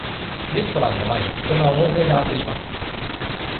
レストランの前に、人が大勢並んでいます。